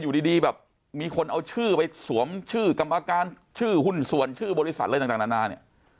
อยู่ดีแบบมีคนเอาชื่อไปสวมชื่อกรรมการชื่อหุ้นส่วนชื่อบริษัทอะไรต่างนานาเนี่ย